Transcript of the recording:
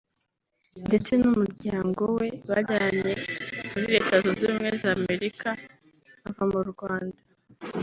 ndetse n’ubw’umuryango we bajyanye muri Leta Zunze Ubumwe za Amerika bava mu Rwanda